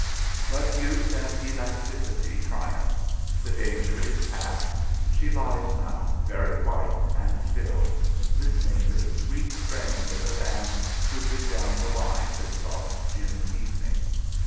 But youth and elasticity triumph. The danger is passed. She lies now, very white and still, listening to the sweet strains of the band trooping down the line this soft June evening.